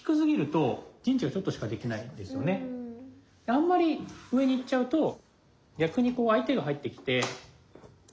あんまり上に行っちゃうと逆にこう相手が入ってきて。